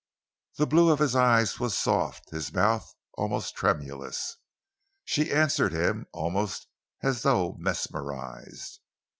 The blue of his eyes was soft, his mouth almost tremulous. She answered him almost as though mesmerised.